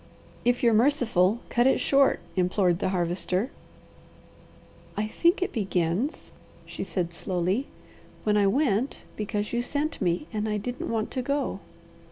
"If you're merciful, cut it short!" implored the Harvester. "I think it begins," she said slowly, "when I went because you sent me and I didn't want to go.